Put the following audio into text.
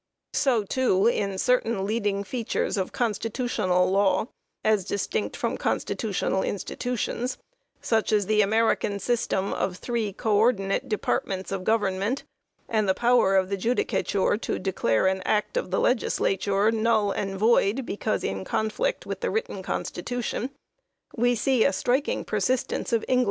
So, too, in certain leading features of constitu tional law as distinct from constitutional institutions, such as the American system of three co ordinate departments of government and the power of the judi cature to declare an act of the legislature null and void because in conflict with the written constitution we see a striking persistence of English principles.